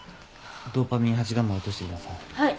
ドーパミン８ガンマ落としてください。